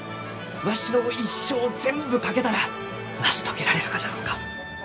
わしの一生を全部懸けたら成し遂げられるがじゃろうか？